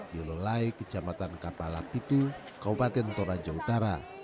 di lelai kejamatan kapala pitu kabupaten toraja utara